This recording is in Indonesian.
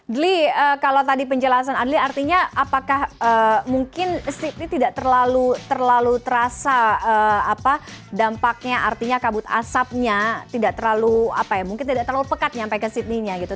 dly kalau tadi penjelasan adli artinya apakah mungkin sydney tidak terlalu terasa dampaknya artinya kabut asapnya tidak terlalu apa ya mungkin tidak terlalu pekat nyampe ke sydney nya gitu